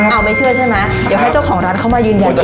เอาไม่เชื่อใช่ไหมเดี๋ยวให้เจ้าของร้านเข้ามายืนยันด้วย